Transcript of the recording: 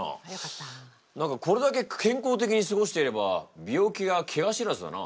これだけ健康的に過ごしていれば病気やけが知らずだな。